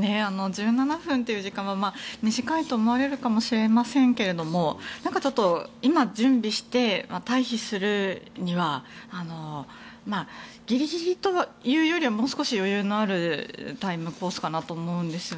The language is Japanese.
１７分という時間は短いと思われるかもしれませんけれども今、準備して退避するにはギリギリというよりはもう少し余裕のあるタイムコースかなと思うんですよね。